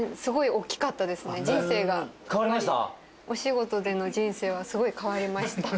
お仕事での人生はすごい変わりました。